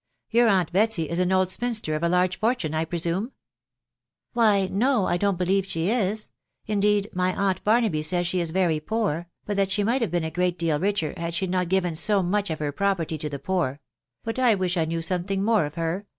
Your aunt *etsy ds. im old spinster of Jaxge fortune, I presume?" Why ■©, I don't believe ahe is; indeed, my aunt .Bar* 4*aby says she is very poor, hut that she might have been a .great deal richer had ahe not given so much of her property to ahe poor ;...... but I wish I knew something more of her.